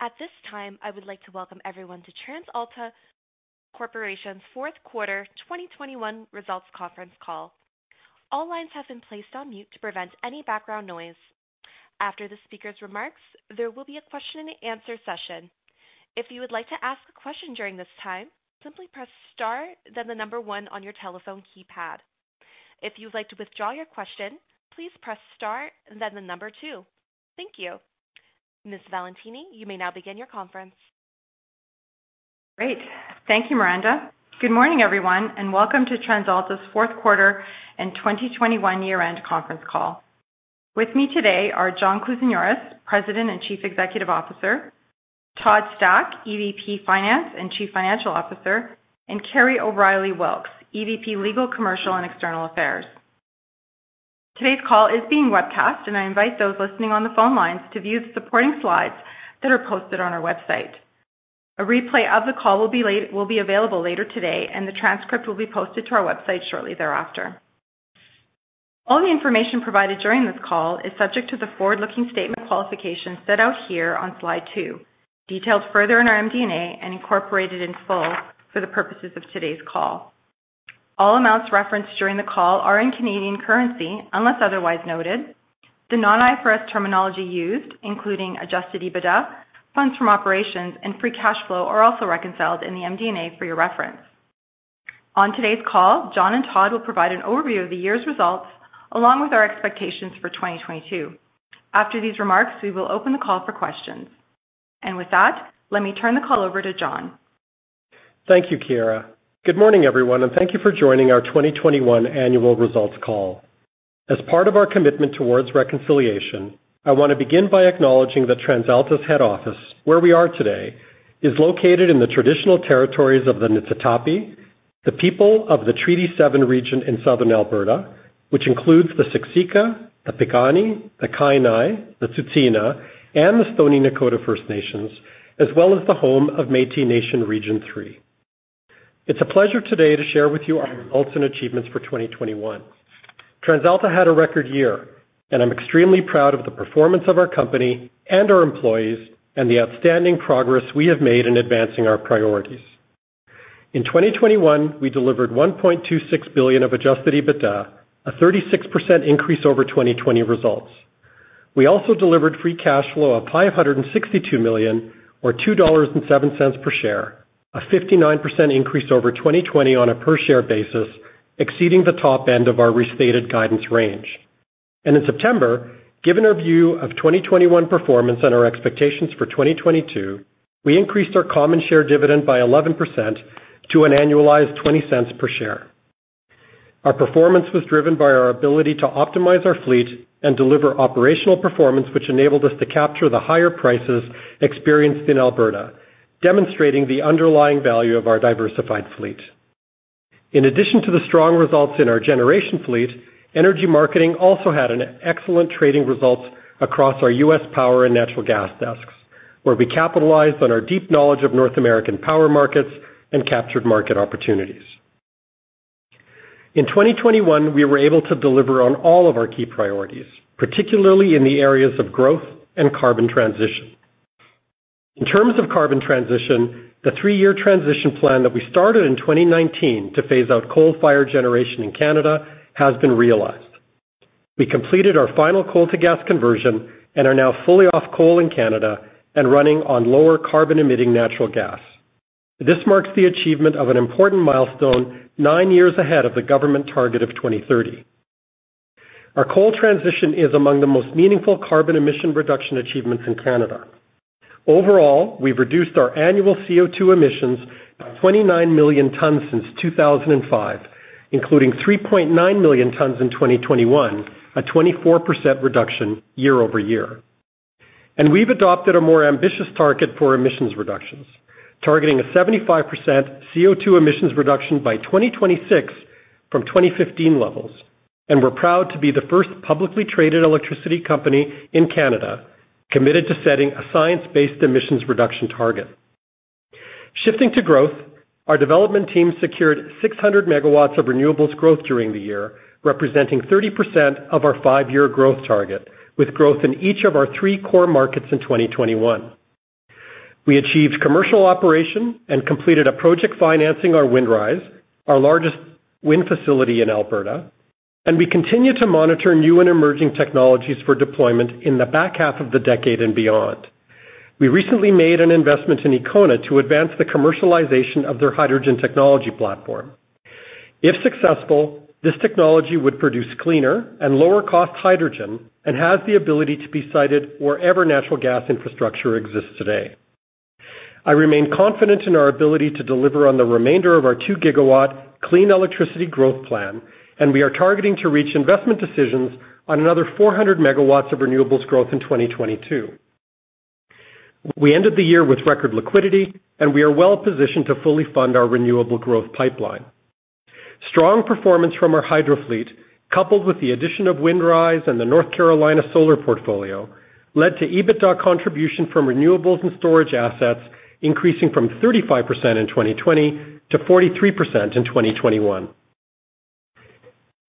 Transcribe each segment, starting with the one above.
At this time, I would like to welcome everyone to TransAlta Corporation's fourth quarter 2021 results conference call. All lines have been placed on mute to prevent any background noise. After the speaker's remarks, there will be a question and answer session. If you would like to ask a question during this time, simply press Star, then one on your telephone keypad. If you'd like to withdraw your question, please press Star and then two. Thank you. Ms. Valentini, you may now begin your conference. Great. Thank you, Miranda. Good morning, everyone, and welcome to TransAlta's fourth quarter and 2021 year-end conference call. With me today are John Kousinioris, President and Chief Executive Officer, Todd Stack, EVP Finance and Chief Financial Officer, and Carrie O'Reilly Wilks, EVP, Legal, Commercial and External Affairs. Today's call is being webcast, and I invite those listening on the phone lines to view the supporting slides that are posted on our website. A replay of the call will be available later today, and the transcript will be posted to our website shortly thereafter. All the information provided during this call is subject to the forward-looking statement qualifications set out here on slide two, detailed further in our MD&A, and incorporated in full for the purposes of today's call. All amounts referenced during the call are in Canadian currency, unless otherwise noted. The non-IFRS terminology used, including adjusted EBITDA, funds from operations, and free cash flow, are also reconciled in the MD&A for your reference. On today's call, John and Todd will provide an overview of the year's results, along with our expectations for 2022. After these remarks, we will open the call for questions. With that, let me turn the call over to John. Thank you, Chiara. Good morning, everyone, and thank you for joining our 2021 annual results call. As part of our commitment towards reconciliation, I want to begin by acknowledging that TransAlta's head office, where we are today, is located in the traditional territories of the Niitsitapi, the people of the Treaty seven region in southern Alberta, which includes the Siksika, the Piikani, the Kainai, the Tsuut'ina, and the Stoney Nakoda First Nations, as well as the home of Métis Nation Region Three. It's a pleasure today to share with you our results and achievements for 2021. TransAlta had a record year, and I'm extremely proud of the performance of our company and our employees and the outstanding progress we have made in advancing our priorities. In 2021, we delivered 1.26 billion of adjusted EBITDA, a 36% increase over 2020 results. We also delivered free cash flow of 562 million or 2.07 dollars per share, a 59% increase over 2020 on a per-share basis, exceeding the top end of our restated guidance range. In September, given our view of 2021 performance and our expectations for 2022, we increased our common share dividend by 11% to an annualized 0.20 per share. Our performance was driven by our ability to optimize our fleet and deliver operational performance, which enabled us to capture the higher prices experienced in Alberta, demonstrating the underlying value of our diversified fleet. In addition to the strong results in our generation fleet, energy marketing also had excellent trading results across our U.S. power and natural gas desks, where we capitalized on our deep knowledge of North American power markets and captured market opportunities. In 2021, we were able to deliver on all of our key priorities, particularly in the areas of growth and carbon transition. In terms of carbon transition, the 3-year transition plan that we started in 2019 to phase out coal-fired generation in Canada has been realized. We completed our final coal-to-gas conversion and are now fully off coal in Canada and running on lower carbon-emitting natural gas. This marks the achievement of an important milestone nine years ahead of the government target of 2030. Our coal transition is among the most meaningful carbon emission reduction achievements in Canada. Overall, we've reduced our annual CO₂ emissions by 29 million tons since 2005, including 3.9 million tons in 2021, a 24% reduction year over year. We've adopted a more ambitious target for emissions reductions, targeting a 75% CO₂ emissions reduction by 2026 from 2015 levels. We're proud to be the first publicly traded electricity company in Canada committed to setting a science-based emissions reduction target. Shifting to growth, our development team secured 600 MW of renewables growth during the year, representing 30% of our five-year growth target, with growth in each of our three core markets in 2021. We achieved commercial operation and completed a project financing our Windrise, our largest wind facility in Alberta, and we continue to monitor new and emerging technologies for deployment in the back half of the decade and beyond. We recently made an investment in Ekona to advance the commercialization of their hydrogen technology platform. If successful, this technology would produce cleaner and lower-cost hydrogen and has the ability to be sited wherever natural gas infrastructure exists today. I remain confident in our ability to deliver on the remainder of our 2-GW clean electricity growth plan, and we are targeting to reach investment decisions on another 400 MW of renewables growth in 2022. We ended the year with record liquidity, and we are well-positioned to fully fund our renewable growth pipeline. Strong performance from our hydro fleet, coupled with the addition of Windrise and the North Carolina solar portfolio, led to EBITDA contribution from renewables and storage assets increasing from 35% in 2020 to 43% in 2021.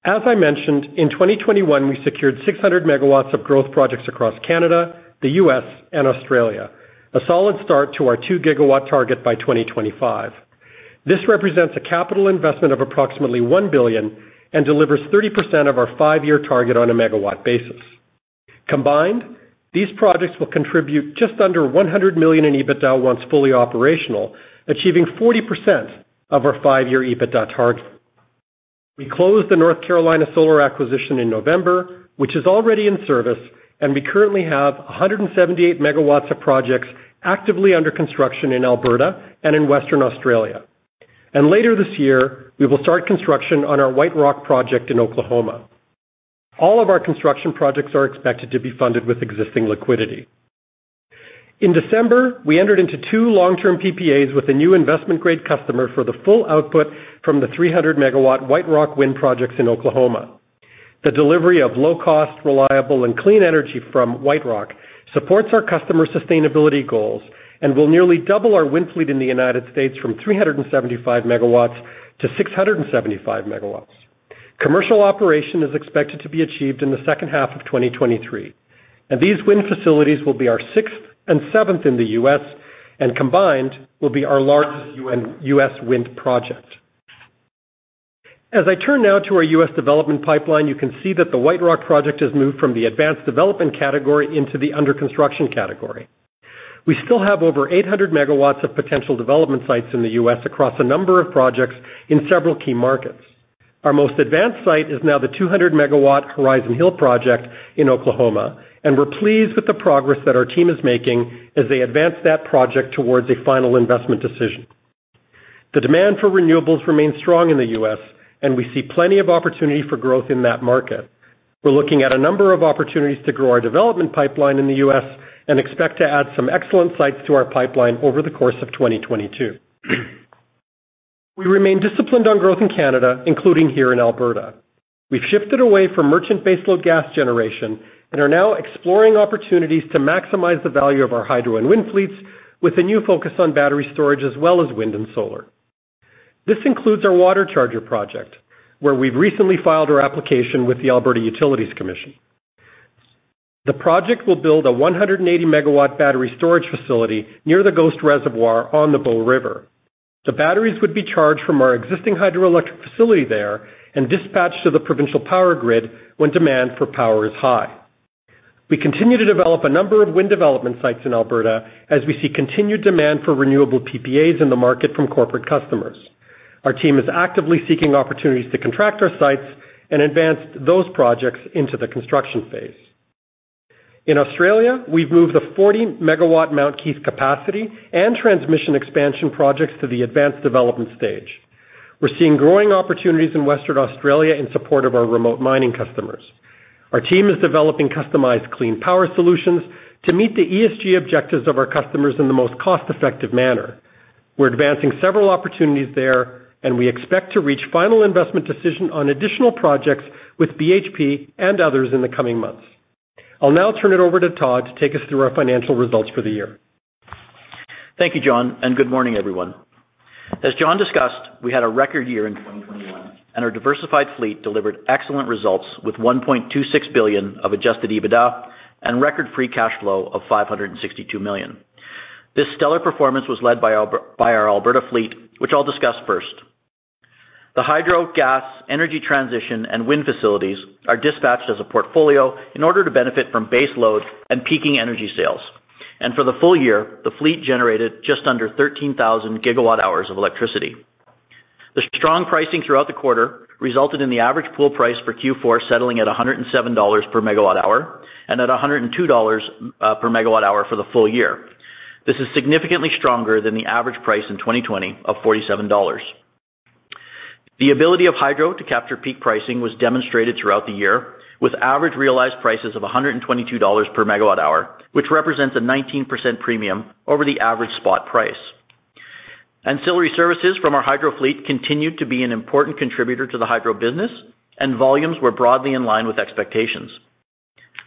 I mentioned, in 2021, we secured 600 MW of growth projects across Canada, the U.S., and Australia. A solid start to our 2-GW target by 2025. This represents a capital investment of approximately one billion and delivers 30% of our 5-year target on a megawatt basis. Combined, these projects will contribute just under 100 million in EBITDA once fully operational, achieving 40% of our 5-year EBITDA target. We closed the North Carolina Solar acquisition in November, which is already in service, and we currently have 178 MW of projects actively under construction in Alberta and in Western Australia. Later this year, we will start construction on our White Rock project in Oklahoma. All of our construction projects are expected to be funded with existing liquidity. In December, we entered into two long-term PPAs with a new investment-grade customer for the full output from the 300 MW White Rock wind projects in Oklahoma. The delivery of low-cost, reliable and clean energy from White Rock supports our customer sustainability goals and will nearly double our wind fleet in the United States from 375 MW to 675 MW. Commercial operation is expected to be achieved in the second half of 2023, and these wind facilities will be our sixth and seventh in the U.S., and combined, will be our largest U.S. wind project. As I turn now to our U.S. development pipeline, you can see that the White Rock project has moved from the advanced development category into the under construction category. We still have over 800 MW of potential development sites in the U.S. across a number of projects in several key markets. Our most advanced site is now the 200 MW Horizon Hill project in Oklahoma, and we're pleased with the progress that our team is making as they advance that project towards a final investment decision. The demand for renewables remains strong in the U.S., and we see plenty of opportunity for growth in that market. We're looking at a number of opportunities to grow our development pipeline in the U.S. and expect to add some excellent sites to our pipeline over the course of 2022. We remain disciplined on growth in Canada, including here in Alberta. We've shifted away from merchant baseload gas generation and are now exploring opportunities to maximize the value of our hydro and wind fleets with a new focus on battery storage as well as wind and solar. This includes our WaterCharger project, where we've recently filed our application with the Alberta Utilities Commission. The project will build a 180-MW battery storage facility near the Ghost Reservoir on the Bow River. The batteries would be charged from our existing hydroelectric facility there and dispatched to the provincial power grid when demand for power is high. We continue to develop a number of wind development sites in Alberta as we see continued demand for renewable PPAs in the market from corporate customers. Our team is actively seeking opportunities to contract our sites and advance those projects into the construction phase. In Australia, we've moved the 40-MW Mount Keith capacity and transmission expansion projects to the advanced development stage. We're seeing growing opportunities in Western Australia in support of our remote mining customers. Our team is developing customized clean power solutions to meet the ESG objectives of our customers in the most cost-effective manner. We're advancing several opportunities there, and we expect to reach final investment decision on additional projects with BHP and others in the coming months. I'll now turn it over to Todd to take us through our financial results for the year. Thank you, John, and good morning, everyone. As John discussed, we had a record year in 2021, and our diversified fleet delivered excellent results with 1.26 billion of adjusted EBITDA and record free cash flow of 562 million. This stellar performance was led by our Alberta fleet, which I'll discuss first. The hydro, gas, energy transition, and wind facilities are dispatched as a portfolio in order to benefit from base load and peaking energy sales. For the full year, the fleet generated just under 13,000 GWh of electricity. The strong pricing throughout the quarter resulted in the average pool price for Q4 settling at 107 dollars per MWh and at 102 dollars per MWh for the full year. This is significantly stronger than the average price in 2020 of 47 dollars. The ability of hydro to capture peak pricing was demonstrated throughout the year with average realized prices of 122 dollars per MWh, which represents a 19% premium over the average spot price. Ancillary services from our hydro fleet continued to be an important contributor to the hydro business, and volumes were broadly in line with expectations.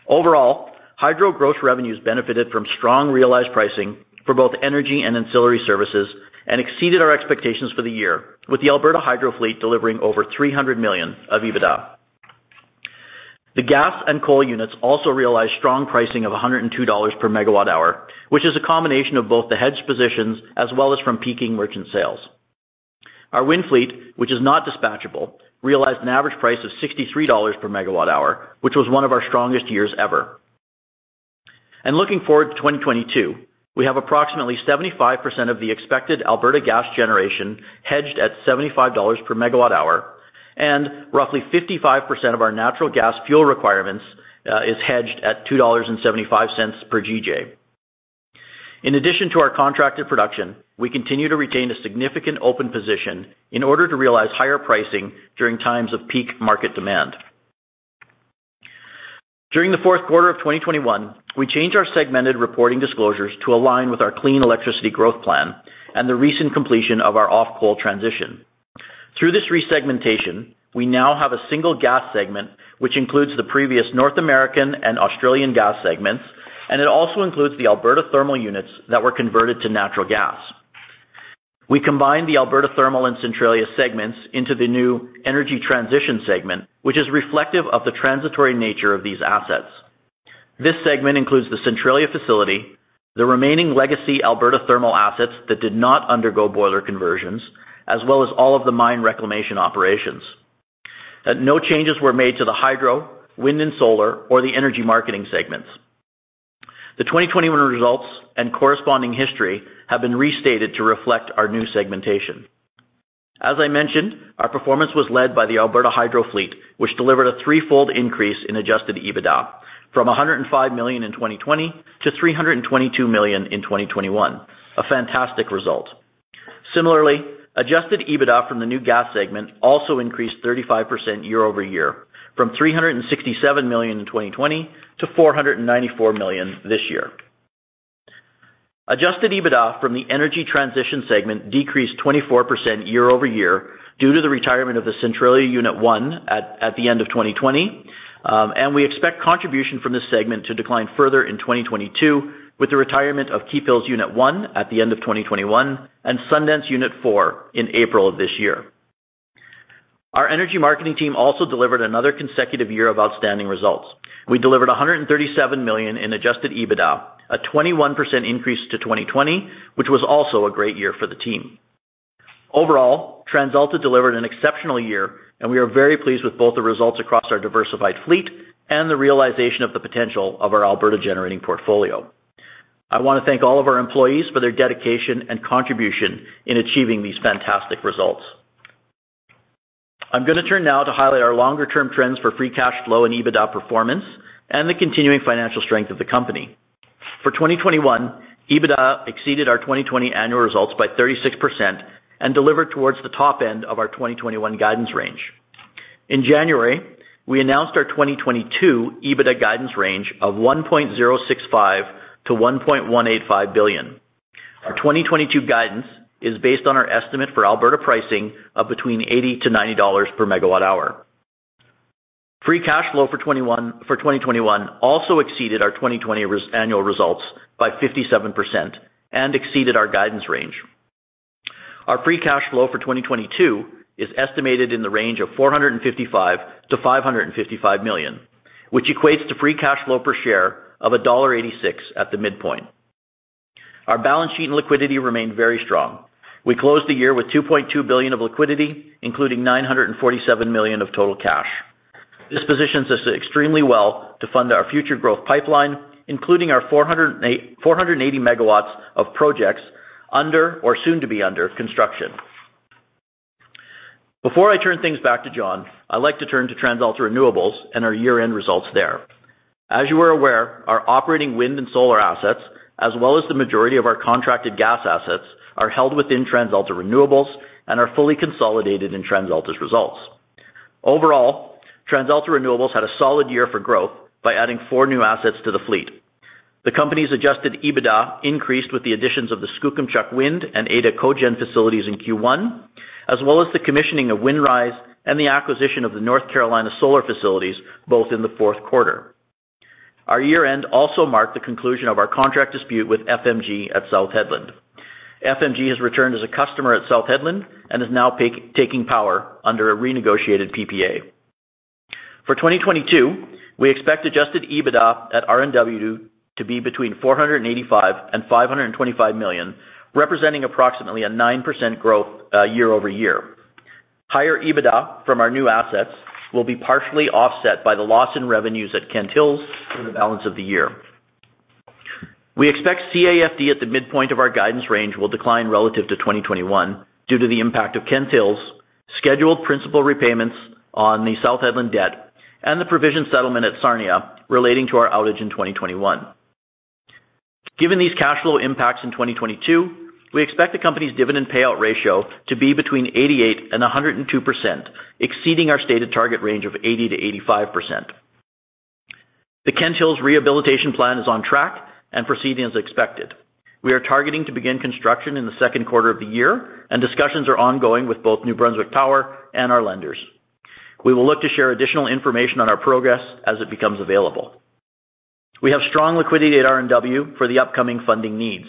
Overall, hydro gross revenues benefited from strong realized pricing for both energy and ancillary services and exceeded our expectations for the year, with the Alberta hydro fleet delivering over 300 million of EBITDA. The gas and coal units also realized strong pricing of 102 dollars per MWh, which is a combination of both the hedged positions as well as from peaking merchant sales. Our wind fleet, which is not dispatchable, realized an average price of 63 dollars per MWh, which was one of our strongest years ever. Looking forward to 2022, we have approximately 75% of the expected Alberta gas generation hedged at 75 dollars per MWh, and roughly 55% of our natural gas fuel requirements is hedged at 2.75 dollars per GJ. In addition to our contracted production, we continue to retain a significant open position in order to realize higher pricing during times of peak market demand. During the fourth quarter of 2021, we changed our segmented reporting disclosures to align with our clean electricity growth plan and the recent completion of our off-coal transition. Through this resegmentation, we now have a single Gas segment, which includes the previous North American and Australian gas segments, and it also includes the Alberta thermal units that were converted to natural gas. We combined the Alberta Thermal and Centralia segments into the new Energy Transition segment, which is reflective of the transitory nature of these assets. This segment includes the Centralia facility, the remaining legacy Alberta thermal assets that did not undergo boiler conversions, as well as all of the mine reclamation operations. No changes were made to the Hydro, Wind and Solar or the Energy Marketing segments. The 2021 results and corresponding history have been restated to reflect our new segmentation. As I mentioned, our performance was led by the Alberta Hydro fleet, which delivered a threefold increase in adjusted EBITDA from 105 million in 2020 to 322 million in 2021. A fantastic result. Similarly, adjusted EBITDA from the new gas segment also increased 35% year-over-year from 367 million in 2020 to 494 million this year. Adjusted EBITDA from the energy transition segment decreased 24% year-over-year due to the retirement of the Centralia Unit one at the end of 2020. We expect contribution from this segment to decline further in 2022 with the retirement of Keephills Unit 1 at the end of 2021 and Sundance Unit four in April of this year. Our energy marketing team also delivered another consecutive year of outstanding results. We delivered 137 million in adjusted EBITDA, a 21% increase to 2020, which was also a great year for the team. Overall, TransAlta delivered an exceptional year, and we are very pleased with both the results across our diversified fleet and the realization of the potential of our Alberta generating portfolio. I want to thank all of our employees for their dedication and contribution in achieving these fantastic results. I'm going to turn now to highlight our longer-term trends for free cash flow and EBITDA performance and the continuing financial strength of the company. For 2021, EBITDA exceeded our 2020 annual results by 36% and delivered towards the top end of our 2021 guidance range. In January, we announced our 2022 EBITDA guidance range of 1.065 billion-1.185 billion. Our 2022 guidance is based on our estimate for Alberta pricing of between 80-90 dollars per megawatt-hour. Free cash flow for 2021 also exceeded our 2020 annual results by 57% and exceeded our guidance range. Our free cash flow for 2022 is estimated in the range of 455 million-555 million, which equates to free cash flow per share of CAD 1.86 at the midpoint. Our balance sheet and liquidity remained very strong. We closed the year with 2.2 billion of liquidity, including 947 million of total cash. This positions us extremely well to fund our future growth pipeline, including our 480 MW of projects under or soon to be under construction. Before I turn things back to John, I like to turn to TransAlta Renewables and our year-end results there. As you are aware, our operating wind and solar assets, as well as the majority of our contracted gas assets, are held within TransAlta Renewables and are fully consolidated in TransAlta's results. Overall, TransAlta Renewables had a solid year for growth by adding 4 new assets to the fleet. The company's adjusted EBITDA increased with the additions of the Skookumchuck Wind and Ada Cogen facilities in Q1, as well as the commissioning of Windrise and the acquisition of the North Carolina solar facilities, both in the fourth quarter. Our year-end also marked the conclusion of our contract dispute with FMG at South Hedland. FMG has returned as a customer at South Hedland and is now taking power under a renegotiated PPA. For 2022, we expect adjusted EBITDA at RNW to be between 485 million and 525 million, representing approximately 9% growth year-over-year. Higher EBITDA from our new assets will be partially offset by the loss in revenues at Kent Hills through the balance of the year. We expect CAFD at the midpoint of our guidance range will decline relative to 2021 due to the impact of Kent Hills, scheduled principal repayments on the South Hedland debt, and the provision settlement at Sarnia relating to our outage in 2021. Given these cash flow impacts in 2022, we expect the company's dividend payout ratio to be between 88%-102%, exceeding our stated target range of 80%-85%. The Kent Hills rehabilitation plan is on track and proceeding as expected. We are targeting to begin construction in the second quarter of the year, and discussions are ongoing with both New Brunswick Power and our lenders. We will look to share additional information on our progress as it becomes available. We have strong liquidity at RNW for the upcoming funding needs.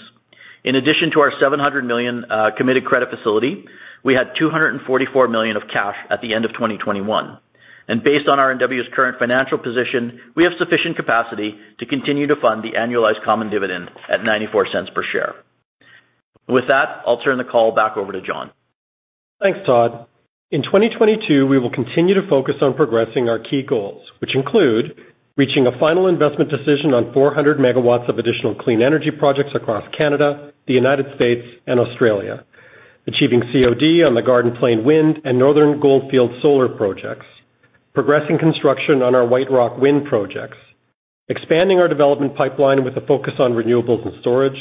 In addition to our 700 million committed credit facility, we had 244 million of cash at the end of 2021. Based on RNW's current financial position, we have sufficient capacity to continue to fund the annualized common dividend at 0.94 per share. With that, I'll turn the call back over to John. Thanks, Todd. In 2022, we will continue to focus on progressing our key goals, which include reaching a final investment decision on 400 MW of additional clean energy projects across Canada, the United States, and Australia. Achieving COD on the Garden Plain Wind and Northern Goldfields solar projects. Progressing construction on our White Rock wind projects. Expanding our development pipeline with a focus on renewables and storage.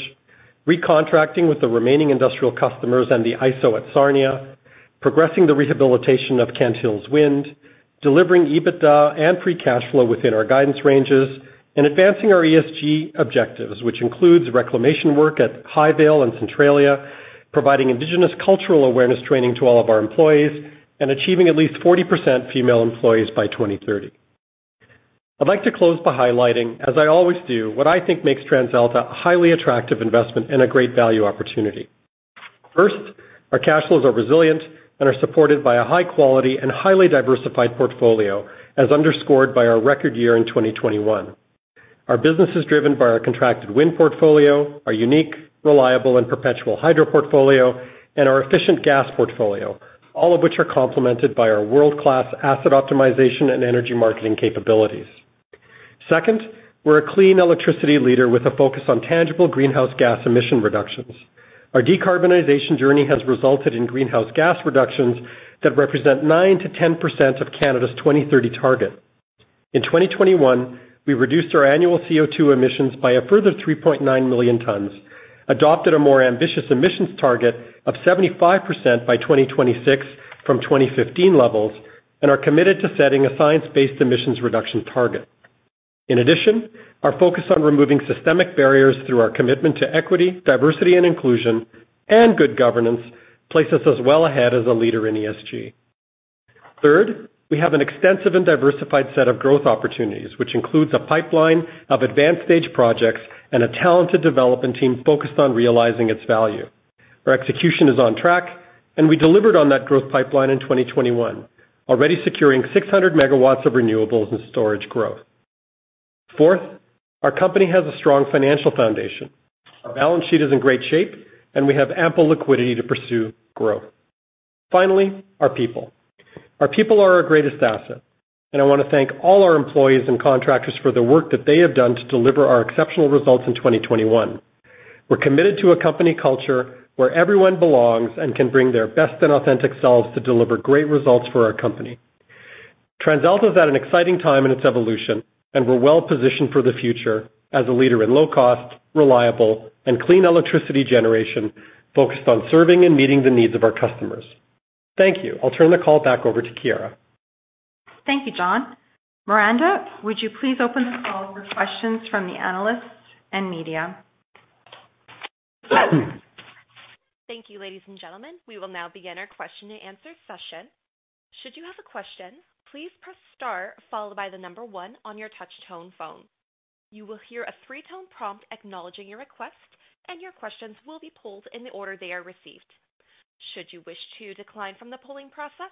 Recontracting with the remaining industrial customers and the IESO at Sarnia. Progressing the rehabilitation of Kent Hills Wind. Delivering EBITDA and free cash flow within our guidance ranges. Advancing our ESG objectives, which includes reclamation work at Highvale and Centralia, providing indigenous cultural awareness training to all of our employees, and achieving at least 40% female employees by 2030. I'd like to close by highlighting, as I always do, what I think makes TransAlta a highly attractive investment and a great value opportunity. First, our cash flows are resilient and are supported by a high quality and highly diversified portfolio, as underscored by our record year in 2021. Our business is driven by our contracted wind portfolio, our unique, reliable, and perpetual hydro portfolio, and our efficient gas portfolio, all of which are complemented by our world-class asset optimization and energy marketing capabilities. Second, we're a clean electricity leader with a focus on tangible greenhouse gas emission reductions. Our decarbonization journey has resulted in greenhouse gas reductions that represent 9%-10% of Canada's 2030 target. In 2021, we reduced our annual CO₂ emissions by a further 3.9 million tons, adopted a more ambitious emissions target of 75% by 2026 from 2015 levels, and are committed to setting science-based emissions reduction target. In addition, our focus on removing systemic barriers through our commitment to equity, diversity, and inclusion and good governance places us well ahead as a leader in ESG. Third, we have an extensive and diversified set of growth opportunities, which includes a pipeline of advanced stage projects and a talented development team focused on realizing its value. Our execution is on track, and we delivered on that growth pipeline in 2021, already securing 600 MW of renewables and storage growth. Fourth, our company has a strong financial foundation. Our balance sheet is in great shape, and we have ample liquidity to pursue growth. Finally, our people. Our people are our greatest asset, and I want to thank all our employees and contractors for the work that they have done to deliver our exceptional results in 2021. We're committed to a company culture where everyone belongs and can bring their best and authentic selves to deliver great results for our company. TransAlta is at an exciting time in its evolution, and we're well-positioned for the future as a leader in low-cost, reliable, and clean electricity generation focused on serving and meeting the needs of our customers. Thank you. I'll turn the call back over to Chiara. Thank you, John. Miranda, would you please open the call for questions from the analysts and media? Thank you, ladies and gentlemen. We will now begin our question and answer session. Should you have a question, please press Star followed by the number one on your touch tone phone. You will hear a three-tone prompt acknowledging your request, and your questions will be pulled in the order they are received. Should you wish to decline from the polling process,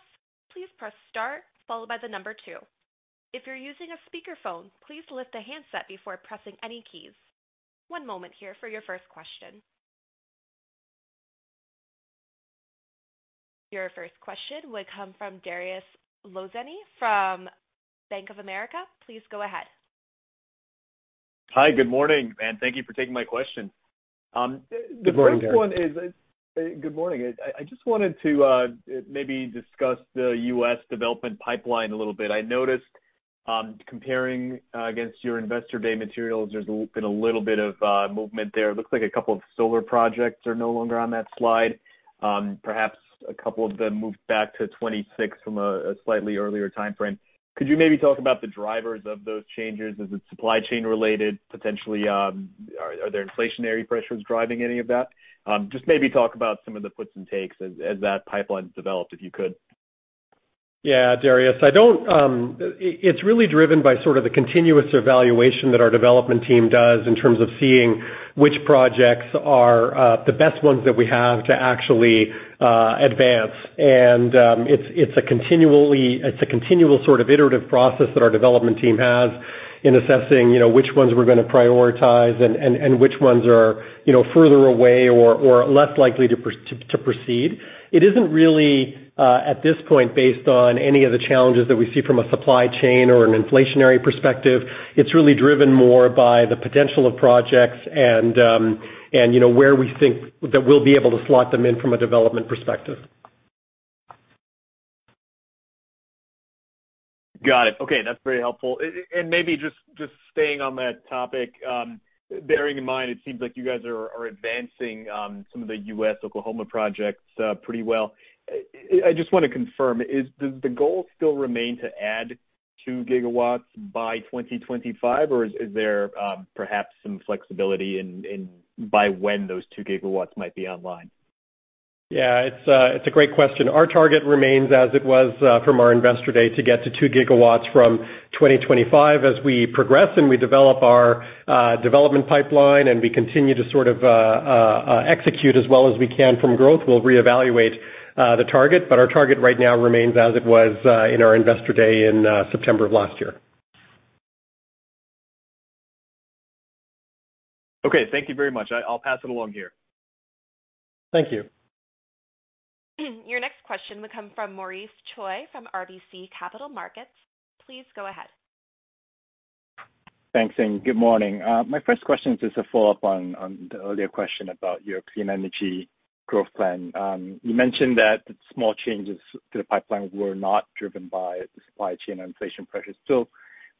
please press star followed by the number two. If you're using a speakerphone, please lift the handset before pressing any keys. One moment here for your first question. Your first question will come from Dariusz Lozny from Bank of America. Please go ahead. Hi, good morning, and thank you for taking my question. Good morning, Dariusz. Good morning. I just wanted to maybe discuss the US development pipeline a little bit. I noticed, comparing against your investor day materials, there's been a little bit of movement there. It looks like a couple of solar projects are no longer on that slide. Perhaps a couple of them moved back to 2026 from a slightly earlier timeframe. Could you maybe talk about the drivers of those changes? Is it supply chain related potentially? Are there inflationary pressures driving any of that? Just maybe talk about some of the puts and takes as that pipeline developed, if you could. Yeah, Dariusz. I don't... It's really driven by sort of the continuous evaluation that our development team does in terms of seeing which projects are the best ones that we have to actually advance. It's a continual sort of iterative process that our development team has in assessing, you know, which ones we're gonna prioritize and which ones are, you know, further away or less likely to proceed. It isn't really at this point based on any of the challenges that we see from a supply chain or an inflationary perspective. It's really driven more by the potential of projects and, you know, where we think that we'll be able to slot them in from a development perspective. Got it. Okay. That's very helpful. Maybe just staying on that topic, bearing in mind, it seems like you guys are advancing some of the U.S. Oklahoma projects pretty well. I just wanna confirm, does the goal still remain to add 2 gigawatts by 2025, or is there perhaps some flexibility in by when those two gigawatts might be online? Yeah, it's a great question. Our target remains as it was from our investor day, to get to two gigawatts from 2025. As we progress and we develop our development pipeline and we continue to sort of execute as well as we can from growth, we'll reevaluate the target. Our target right now remains as it was in our investor day in September of last year. Okay. Thank you very much. I'll pass it along here. Thank you. Your next question will come from Maurice Choi from RBC Capital Markets. Please go ahead. Thanks, and good morning. My first question is just a follow-up on the earlier question about your clean energy growth plan. You mentioned that small changes to the pipeline were not driven by the supply chain and inflation pressures.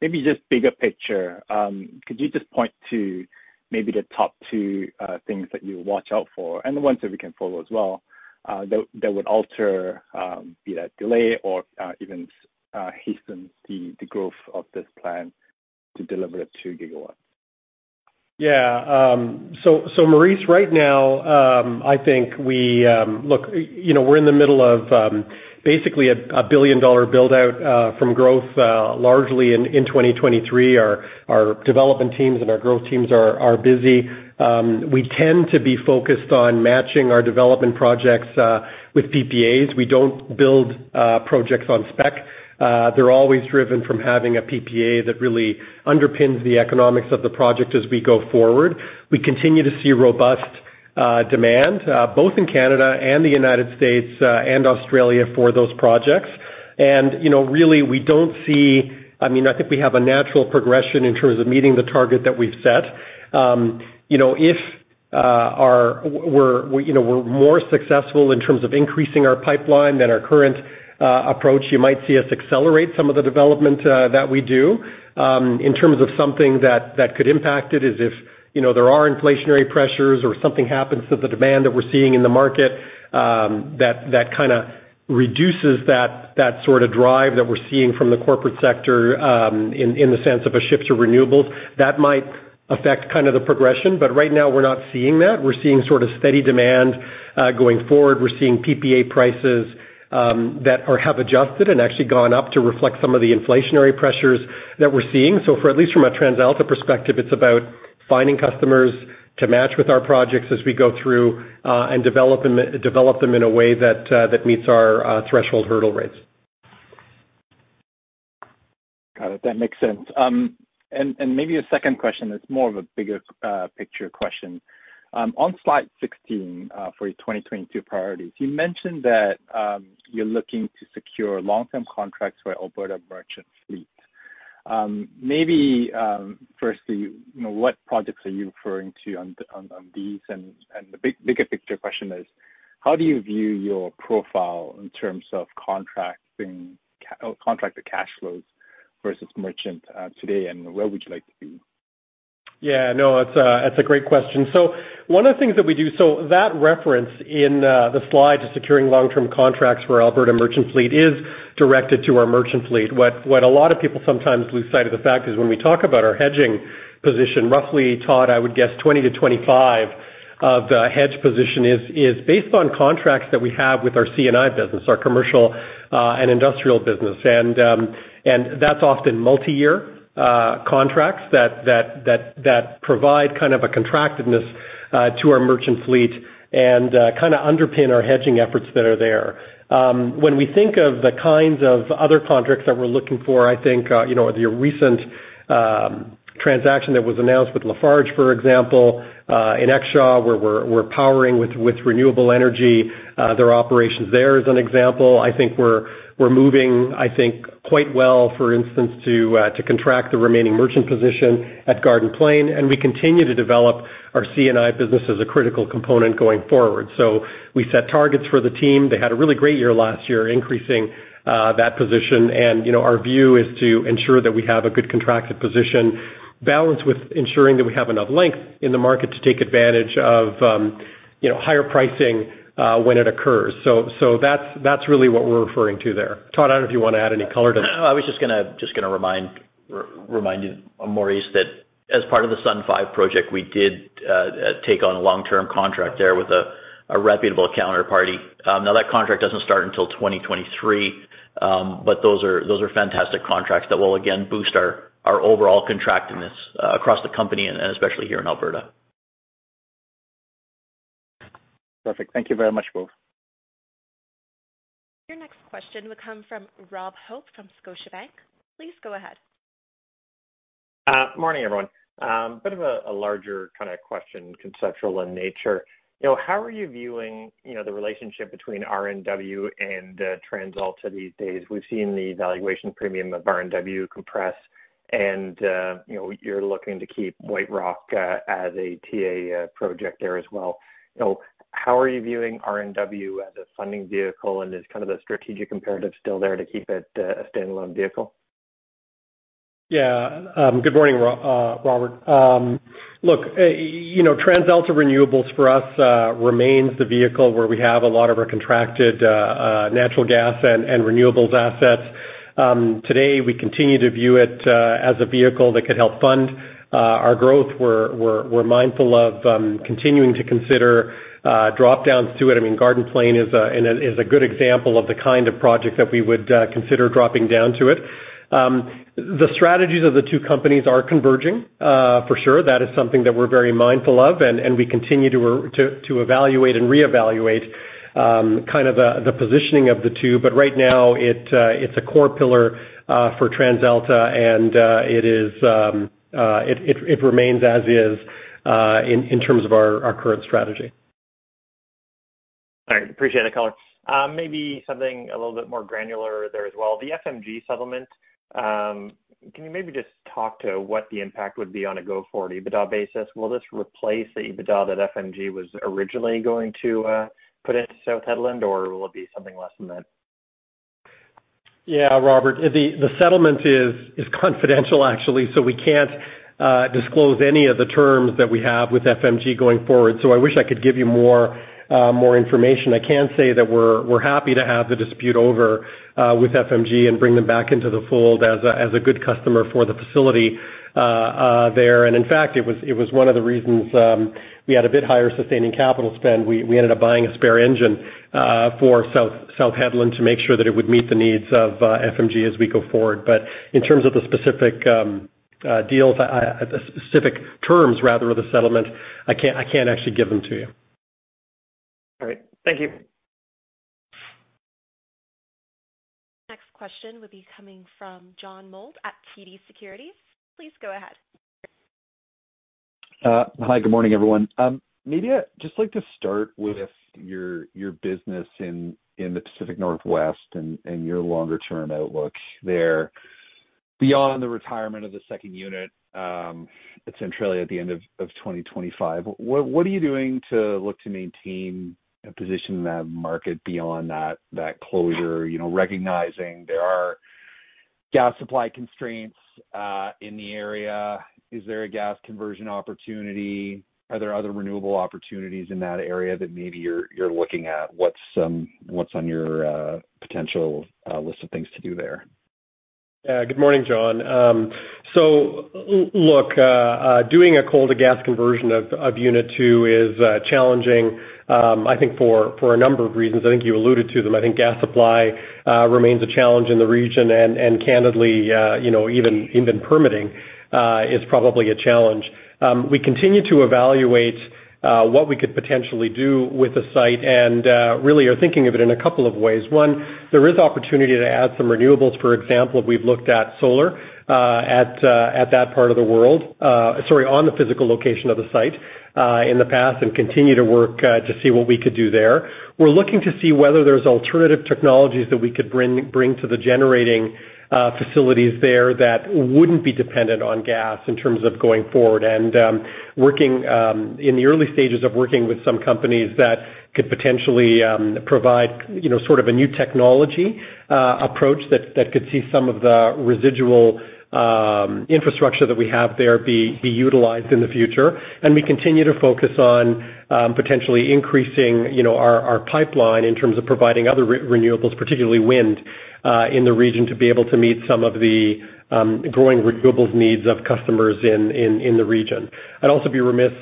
Maybe just bigger picture, could you just point to maybe the top two things that you watch out for, and the ones that we can follow as well, that would alter whether that delay or even hasten the growth of this plan to deliver the 2 GW? So, Maurice, right now, I think we look, you know, we're in the middle of basically a billion-dollar build out from growth largely in 2023. Our development teams and our growth teams are busy. We tend to be focused on matching our development projects with PPAs. We don't build projects on spec. They're always driven from having a PPA that really underpins the economics of the project as we go forward. We continue to see robust demand both in Canada and the United States and Australia for those projects. You know, really, I mean, I think we have a natural progression in terms of meeting the target that we've set. You know, if we're more successful in terms of increasing our pipeline than our current approach, you might see us accelerate some of the development that we do. In terms of something that could impact it is if you know, there are inflationary pressures or something happens to the demand that we're seeing in the market, that kinda reduces that sorta drive that we're seeing from the corporate sector, in the sense of a shift to renewables. That might affect kind of the progression, but right now we're not seeing that. We're seeing sort of steady demand going forward. We're seeing PPA prices that have adjusted and actually gone up to reflect some of the inflationary pressures that we're seeing. For at least from a TransAlta perspective, it's about finding customers to match with our projects as we go through and develop them in a way that meets our threshold hurdle rates. Got it. That makes sense. Maybe a second question that's more of a bigger picture question. On slide 16, for your 2022 priorities, you mentioned that you're looking to secure long-term contracts for Alberta merchant fleet. Maybe firstly, you know, what projects are you referring to on these? The bigger picture question is how do you view your profile in terms of contracting or contracted cash flows versus merchant today, and where would you like to be? Yeah, no, it's a great question. One of the things that we do is that reference in the slide to securing long-term contracts for Alberta merchant fleet is directed to our merchant fleet. What a lot of people sometimes lose sight of the fact is when we talk about our hedging position, roughly, Todd, I would guess 20%-25% of the hedge position is based on contracts that we have with our C&I business, our commercial and industrial business. That's often multi-year contracts that provide kind of a contractedness to our merchant fleet and kinda underpin our hedging efforts that are there. When we think of the kinds of other contracts that we're looking for, I think, you know, the recent transaction that was announced with Lafarge, for example, in Exshaw, where we're powering with renewable energy their operations there is an example. I think we're moving, I think, quite well, for instance, to contract the remaining merchant position at Garden Plain, and we continue to develop our C&I business as a critical component going forward. We set targets for the team. They had a really great year last year, increasing that position. You know, our view is to ensure that we have a good contracted position balanced with ensuring that we have enough length in the market to take advantage of, you know, higher pricing when it occurs. That's really what we're referring to there. Todd, I don't know if you wanna add any color to that. No, I was just gonna remind you, Maurice, that as part of the Sundance Unit five project, we did take on a long-term contract there with a reputable counterparty. Now that contract doesn't start until 2023, but those are fantastic contracts that will again boost our overall contractedness across the company and especially here in Alberta. Perfect. Thank you very much, both. Your next question would come from Rob Hope from Scotiabank. Please go ahead. Morning, everyone. Bit of a larger kind of question, conceptual in nature. You know, how are you viewing the relationship between RNW and TransAlta these days? We've seen the valuation premium of RNW compress and, you know, you're looking to keep White Rock as a TA project there as well. You know, how are you viewing RNW as a funding vehicle, and is kind of the strategic imperative still there to keep it a standalone vehicle? Yeah. Good morning, Robert. Look, you know, TransAlta Renewables for us remains the vehicle where we have a lot of our contracted natural gas and renewables assets. Today, we continue to view it as a vehicle that could help fund our growth. We're mindful of continuing to consider drop-downs to it. I mean, Garden Plain is a good example of the kind of project that we would consider dropping down to it. The strategies of the two companies are converging for sure. That is something that we're very mindful of, and we continue to evaluate and reevaluate kind of the positioning of the two. Right now, it's a core pillar for TransAlta and it remains as is in terms of our current strategy. All right. Appreciate it, uncertain. Maybe something a little bit more granular there as well. The FMG settlement, can you maybe just talk to what the impact would be on a go-forward EBITDA basis? Will this replace the EBITDA that FMG was originally going to put into South Hedland, or will it be something less than that? Yeah, Robert, the settlement is confidential actually, so we can't disclose any of the terms that we have with FMG going forward. I wish I could give you more information. I can say that we're happy to have the dispute over with FMG and bring them back into the fold as a good customer for the facility there. In fact, it was one of the reasons we had a bit higher sustaining capital spend. We ended up buying a spare engine for South Hedland to make sure that it would meet the needs of FMG as we go forward. In terms of the specific terms rather of the settlement, I can't actually give them to you. All right. Thank you. Next question would be coming from John Mould at TD Securities. Please go ahead. Hi, good morning, everyone. Maybe I'd just like to start with your business in the Pacific Northwest and your longer-term outlook there. Beyond the retirement of the second unit at Centralia at the end of 2025, what are you doing to maintain a position in that market beyond that closure? You know, recognizing there are gas supply constraints in the area. Is there a gas conversion opportunity? Are there other renewable opportunities in that area that maybe you're looking at? What's on your potential list of things to do there? Yeah. Good morning, John. Look, doing a coal-to-gas conversion of Unit two is challenging, I think for a number of reasons. I think you alluded to them. I think gas supply remains a challenge in the region. Candidly, you know, even permitting is probably a challenge. We continue to evaluate what we could potentially do with the site and really are thinking of it in a couple of ways. One, there is opportunity to add some renewables. For example, we've looked at solar at that part of the world, sorry, on the physical location of the site in the past and continue to work to see what we could do there. We're looking to see whether there's alternative technologies that we could bring to the generating facilities there that wouldn't be dependent on gas in terms of going forward. We're working in the early stages with some companies that could potentially provide, you know, sort of a new technology approach that could see some of the residual infrastructure that we have there be utilized in the future. We continue to focus on potentially increasing, you know, our pipeline in terms of providing other renewables, particularly wind, in the region, to be able to meet some of the growing renewables needs of customers in the region. I'd also be remiss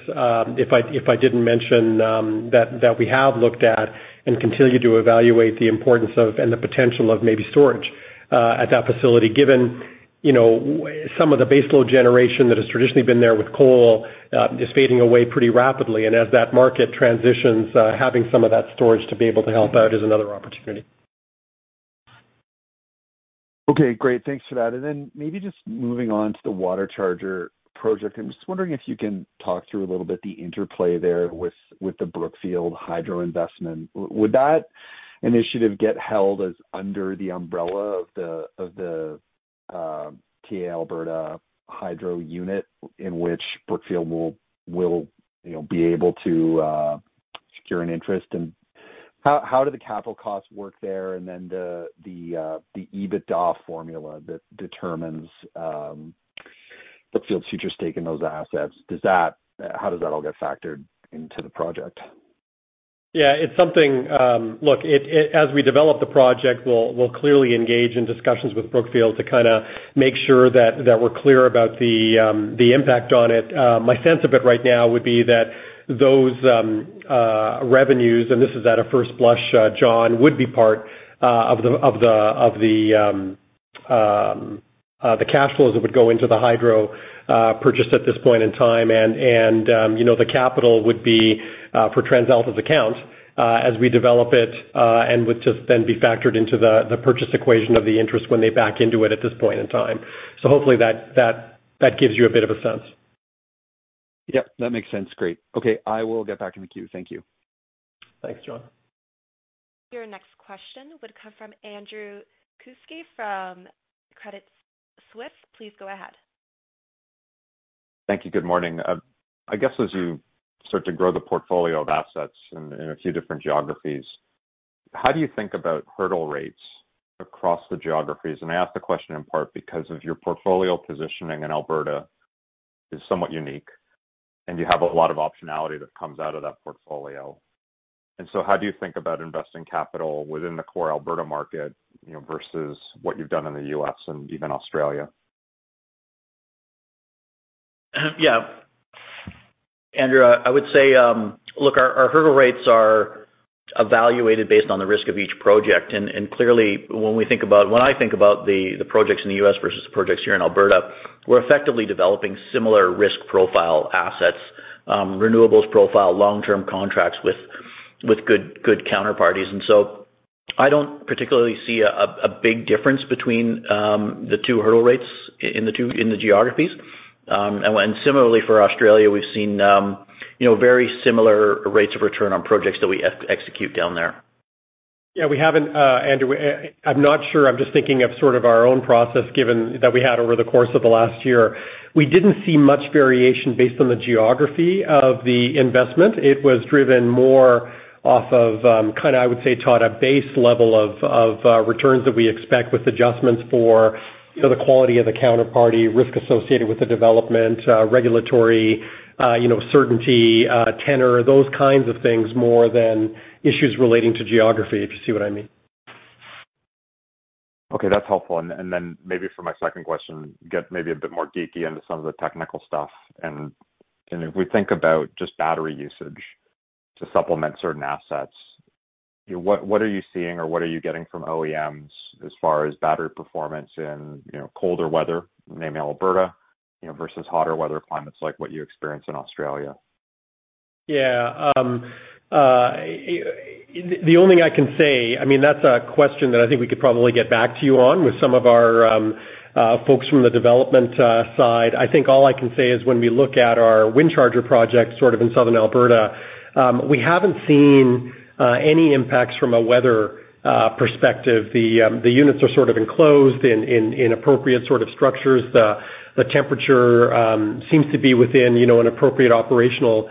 if I didn't mention that we have looked at and continue to evaluate the importance of and the potential of maybe storage at that facility, given you know some of the baseload generation that has traditionally been there with coal is fading away pretty rapidly. As that market transitions, having some of that storage to be able to help out is another opportunity. Okay, great. Thanks for that. Maybe just moving on to the WaterCharger project. I'm just wondering if you can talk through a little bit the interplay there with the Brookfield hydro investment. Would that initiative get held as under the umbrella of the TransAlta Alberta Hydro unit in which Brookfield will, you know, be able to secure an interest? How do the capital costs work there? The EBITDA formula that determines Brookfield's future stake in those assets, how does that all get factored into the project? Yeah, it's something. Look, as we develop the project, we'll clearly engage in discussions with Brookfield to kinda make sure that we're clear about the impact on it. My sense of it right now would be that those revenues, and this is at a first blush, John, would be part of the cash flows that would go into the hydro purchase at this point in time. You know, the capital would be for TransAlta's account as we develop it and would just then be factored into the purchase equation of the interest when they back into it at this point in time. Hopefully that gives you a bit of a sense. Yep, that makes sense. Great. Okay, I will get back in the queue. Thank you. Thanks, John. Your next question would come from Andrew Kuske from Credit Suisse. Please go ahead. Thank you. Good morning. I guess as you start to grow the portfolio of assets in a few different geographies, how do you think about hurdle rates across the geographies? I ask the question in part because of your portfolio positioning in Alberta is somewhat unique, and you have a lot of optionality that comes out of that portfolio. How do you think about investing capital within the core Alberta market, you know, versus what you've done in the U.S. and even Australia? Yeah. Andrew, I would say, look, our hurdle rates are evaluated based on the risk of each project. Clearly, when I think about the projects in the U.S. versus the projects here in Alberta, we're effectively developing similar risk profile assets, renewables profile, long-term contracts with good counterparties. I don't particularly see a big difference between the two hurdle rates in the geographies. Similarly for Australia, we've seen, you know, very similar rates of return on projects that we execute down there. Yeah, we haven't, Andrew. I'm not sure. I'm just thinking of sort of our own process given that we had over the course of the last year. We didn't see much variation based on the geography of the investment. It was driven more off of kinda, I would say, Todd, a base level of returns that we expect with adjustments for, you know, the quality of the counterparty risk associated with the development, regulatory, you know, certainty, tenor, those kinds of things more than issues relating to geography, if you see what I mean. Okay, that's helpful. Then maybe for my second question, get maybe a bit more geeky into some of the technical stuff. If we think about just battery usage to supplement certain assets, you know, what are you seeing or what are you getting from OEMs as far as battery performance in, you know, colder weather, maybe Alberta, you know, versus hotter weather climates like what you experience in Australia? Yeah. The only thing I can say, I mean, that's a question that I think we could probably get back to you on with some of our folks from the development side. I think all I can say is when we look at our WindCharger project sort of in southern Alberta, we haven't seen any impacts from a weather perspective. The units are sort of enclosed in appropriate sort of structures. The temperature seems to be within, you know, an appropriate operational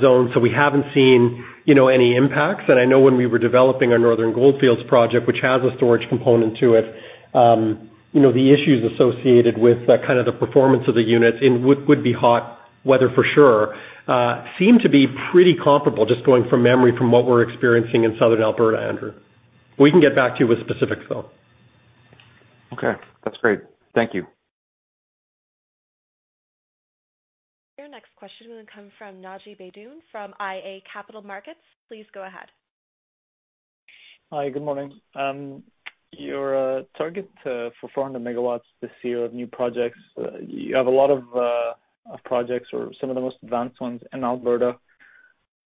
zone. We haven't seen, you know, any impacts. I know when we were developing our Northern Goldfields project, which has a storage component to it, you know, the issues associated with kind of the performance of the units in would be hot weather for sure, seem to be pretty comparable, just going from memory from what we're experiencing in Southern Alberta, Andrew. We can get back to you with specifics, though. Okay. That's great. Thank you. Your next question will come from Naji Baydoun from iA Capital Markets. Please go ahead. Hi. Good morning. Your target for 400 MW this year of new projects, you have a lot of projects or some of the most advanced ones in Alberta.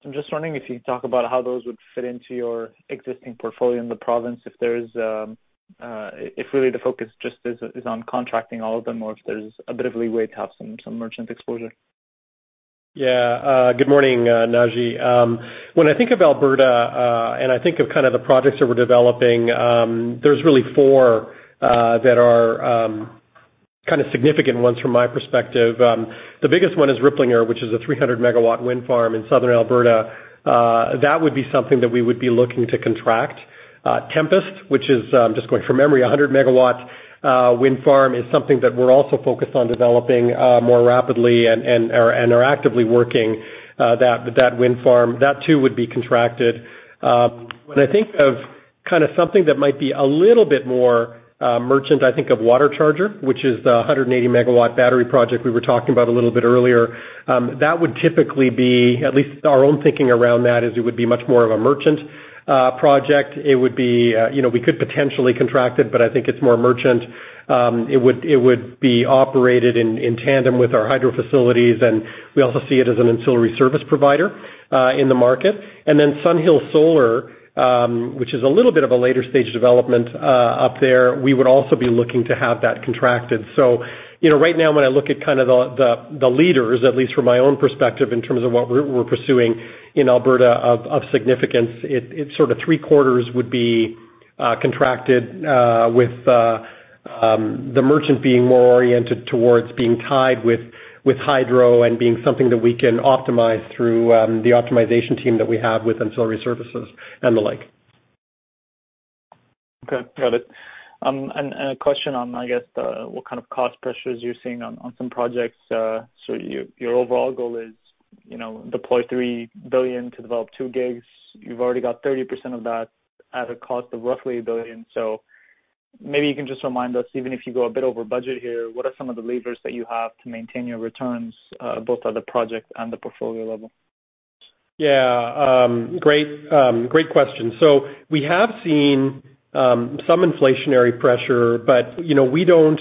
I'm just wondering if you could talk about how those would fit into your existing portfolio in the province, if there is, if really the focus just is on contracting all of them or if there's a bit of leeway to have some merchant exposure. Yeah. Good morning, Naji. When I think of Alberta and I think of kind of the projects that we're developing, there's really four that are kinda significant ones from my perspective. The biggest one is Ripplinger, which is a 300 MW wind farm in southern Alberta. That would be something that we would be looking to contract. Tempest, which is, I'm just going from memory, a 100 MW wind farm, is something that we're also focused on developing more rapidly and are actively working that wind farm. That too would be contracted. When I think of kind of something that might be a little bit more merchant, I think of WaterCharger, which is the 180 MW battery project we were talking about a little bit earlier. That would typically be, at least our own thinking around that, is it would be much more of a merchant project. It would be, you know, we could potentially contract it, but I think it's more merchant. It would be operated in tandem with our hydro facilities, and we also see it as an ancillary service provider in the market. Then SunHills Solar, which is a little bit of a later stage development, up there, we would also be looking to have that contracted. You know, right now when I look at kind of the leaders, at least from my own perspective in terms of what we're pursuing in Alberta of significance, it sort of three-quarters would be contracted with the merchant being more oriented towards being tied with hydro and being something that we can optimize through the optimization team that we have with ancillary services and the like. Okay. Got it. A question on, I guess, what kind of cost pressures you're seeing on some projects. Your overall goal is, you know, deploy 3 billion to develop 2 GW. You've already got 30% of that at a cost of roughly 1 billion. Maybe you can just remind us, even if you go a bit over budget here, what are some of the levers that you have to maintain your returns, both at the project and the portfolio level? Great question. We have seen some inflationary pressure, but you know, we don't.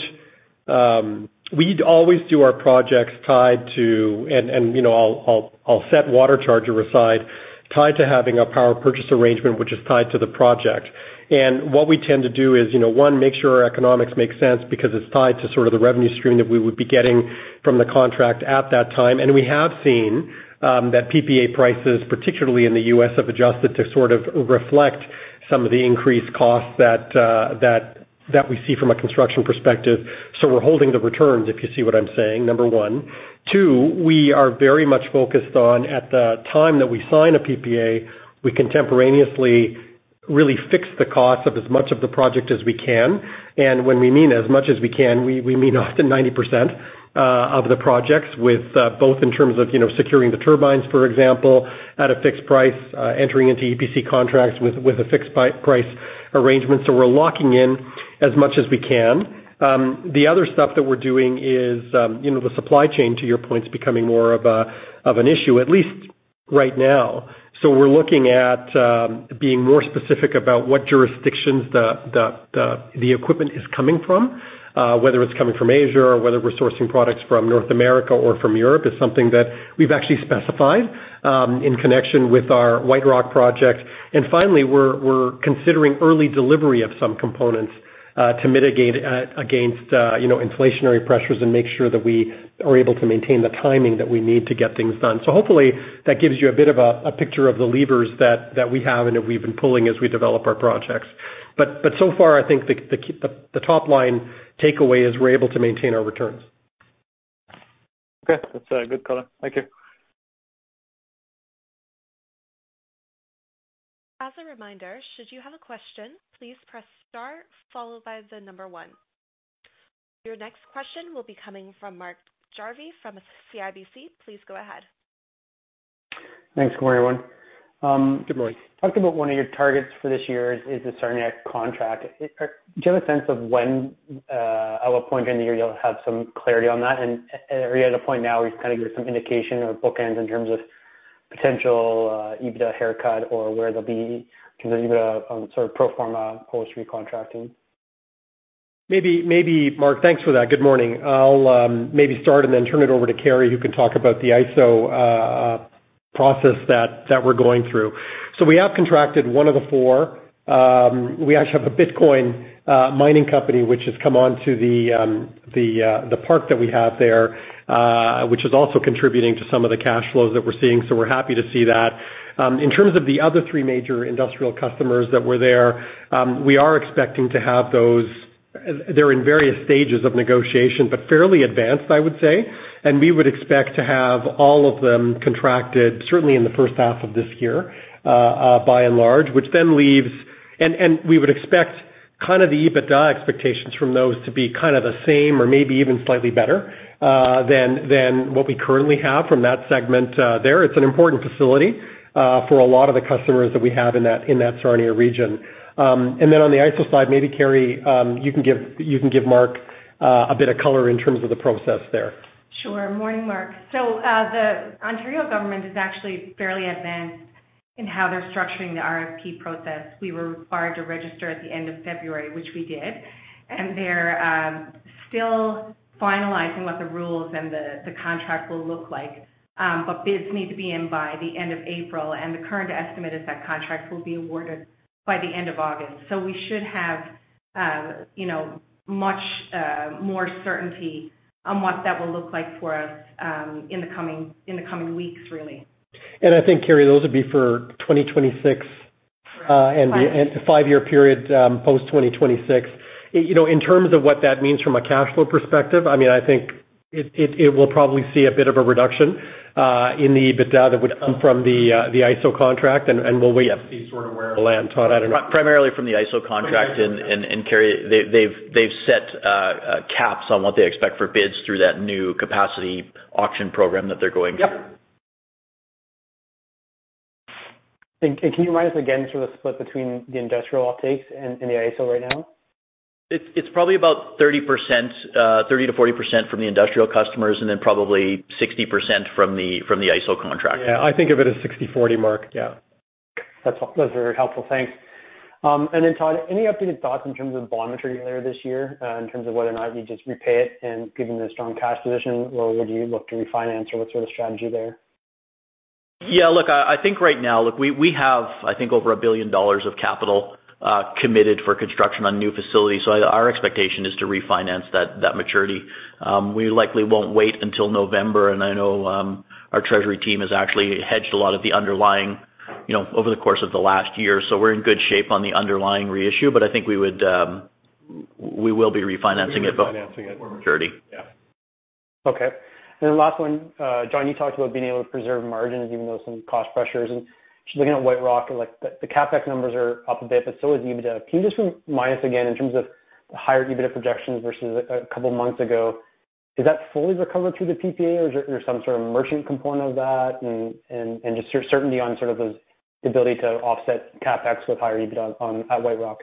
We'd always do our projects tied to having a power purchase arrangement, which is tied to the project. What we tend to do is you know, one, make sure our economics make sense because it's tied to sort of the revenue stream that we would be getting from the contract at that time. We have seen that PPA prices, particularly in the U.S., have adjusted to sort of reflect some of the increased costs that we see from a construction perspective. We're holding the returns, if you see what I'm saying, number one. Two, we are very much focused on at the time that we sign a PPA, we contemporaneously really fix the cost of as much of the project as we can. When we mean as much as we can, we mean often 90% of the projects with both in terms of, you know, securing the turbines, for example, at a fixed price, entering into EPC contracts with a fixed price arrangement. We're locking in as much as we can. The other stuff that we're doing is, you know, the supply chain, to your point, is becoming more of an issue, at least right now. We're looking at being more specific about what jurisdictions the equipment is coming from. Whether it's coming from Asia or whether we're sourcing products from North America or from Europe is something that we've actually specified in connection with our White Rock project. Finally, we're considering early delivery of some components to mitigate against you know, inflationary pressures and make sure that we are able to maintain the timing that we need to get things done. Hopefully that gives you a bit of a picture of the levers that we have and that we've been pulling as we develop our projects. So far, I think the top line takeaway is we're able to maintain our returns. Okay. That's a good color. Thank you. As a reminder, should you have a question, please press star followed by the number 1. Your next question will be coming from Mark Jarvi from CIBC. Please go ahead. Thanks. Good morning, everyone. Good morning. Talked about one of your targets for this year is the Sarnia contract. Do you have a sense of when, at what point during the year you'll have some clarity on that? At the point now, you kind of give some indication or bookends in terms of potential EBITDA haircut or where they'll be considering the sort of pro forma O3 contracting. Maybe Mark. Thanks for that. Good morning. I'll maybe start and then turn it over to Carrie, who can talk about the IESO process that we're going through. We have contracted one of the four. We actually have a Bitcoin mining company which has come on to the park that we have there, which is also contributing to some of the cash flows that we're seeing. We're happy to see that. In terms of the other three major industrial customers that were there, we are expecting to have those. They're in various stages of negotiation, but fairly advanced, I would say. We would expect to have all of them contracted certainly in the first half of this year, by and large, which then leaves. We would expect kind of the EBITDA expectations from those to be kind of the same or maybe even slightly better than what we currently have from that segment there. It's an important facility for a lot of the customers that we have in that Sarnia region. On the IESO side, maybe Carrie, you can give Mark a bit of color in terms of the process there. Sure. Morning, Mark. The Ontario government is actually fairly advanced in how they're structuring the RFP process. We were required to register at the end of February, which we did, and they're still finalizing what the rules and the contract will look like. Bids need to be in by the end of April, and the current estimate is that contracts will be awarded by the end of August. We should have you know much more certainty on what that will look like for us in the coming weeks, really. I think, Carrie, those would be for 2026. Right. The five-year period post 2026. You know, in terms of what that means from a cash flow perspective, I mean, I think it will probably see a bit of a reduction in the EBITDA that would come from the IESO contract. We'll wait and see sort of where it lands, Todd. I don't know. Primarily from the IESO contract. Kerry, they've set caps on what they expect for bids through that new capacity auction program that they're going through. Yep. Can you remind us again, sort of split between the industrial offtakes and the IESO right now? It's probably about 30%, 30%-40% from the industrial customers, and then probably 60% from the IESO contract. Yeah, I think of it as 60/40, Mark. Yeah. That's very helpful. Thanks. And then Todd, any updated thoughts in terms of bond maturity later this year, in terms of whether or not you just repay it and given the strong cash position, or would you look to refinance or what's sort of strategy there? Yeah, look, I think right now, look, we have, I think, over 1 billion dollars of capital committed for construction on new facilities. So our expectation is to refinance that maturity. We likely won't wait until November, and I know our treasury team has actually hedged a lot of the underlying, you know, over the course of the last year. So we're in good shape on the underlying reissue, but I think we would, we will be refinancing it. We will be refinancing it. Maturity. Yeah. Okay. Last one. John, you talked about being able to preserve margins even though some cost pressures. Just looking at White Rock, like the CapEx numbers are up a bit, but so is EBITDA. Can you just remind us again in terms of the higher EBITDA projections versus a couple of months ago, is that fully recovered through the PPA or is there some sort of merchant component of that? Just certainty on sort of the ability to offset CapEx with higher EBITDA at White Rock.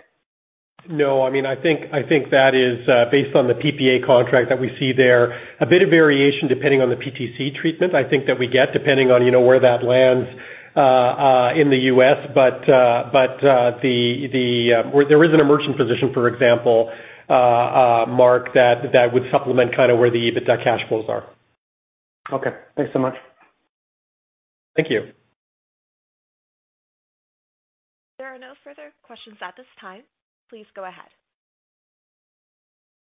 No, I mean, I think that is based on the PPA contract that we see there. A bit of variation depending on the PTC treatment, I think that we get depending on, you know, where that lands in the U.S. There is an emerging position, for example, Mark, that would supplement kinda where the EBITDA cash flows are. Okay. Thanks so much. Thank you. There are no further questions at this time. Please go ahead.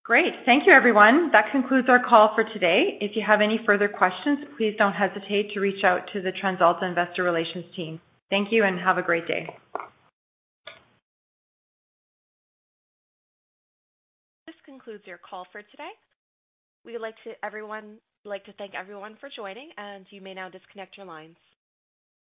Great. Thank you, everyone. That concludes our call for today. If you have any further questions, please don't hesitate to reach out to the TransAlta investor relations team. Thank you and have a great day. This concludes your call for today. We would like to thank everyone for joining, and you may now disconnect your lines.